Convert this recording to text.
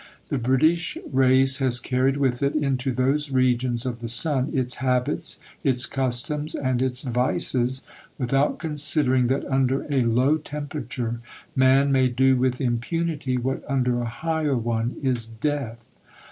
The British race has carried with it into those regions of the sun its habits, its customs, and its vices, without considering that under a low temperature man may do with impunity what under a higher one is death.